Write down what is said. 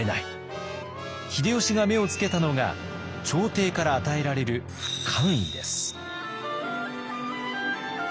秀吉が目をつけたのが朝廷から与えられる官位です。